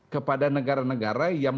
kepada negara negara yang